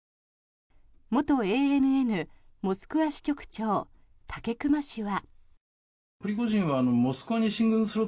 元ＡＮＮモスクワ支局長武隈氏は。